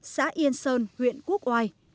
xã yên sơn huyện quốc oai